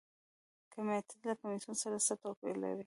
کمیټه له کمیسیون سره څه توپیر لري؟